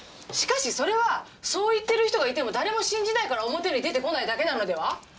しかしそれはそう言ってる人がいても誰も信じないから表に出てこないだけなのでは？